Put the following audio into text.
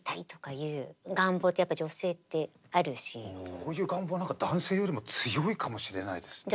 そういう願望男性よりも強いかもしれないですね。